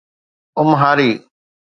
امهاري